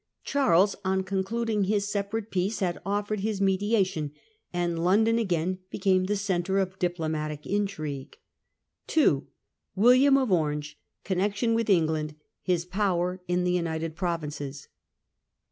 Charles, on concluding his separate peace, had offered his mediation, and London again became the centre of diplomatic intrigue. 2. William of Orange. Connection with England. His Power in the United Provinces.